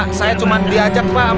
saya cuma diajak pak